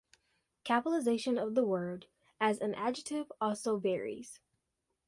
Capitalization of the word as an adjective also varies.